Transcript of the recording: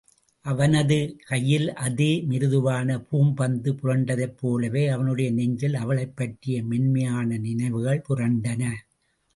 அவனது கையில் அதே மிருதுவான பூம்பந்து புரண்டதைப் போலவே, அவனுடைய நெஞ்சில் அவளைப் பற்றிய மென்மையான நினைவுகள் புரண்டன.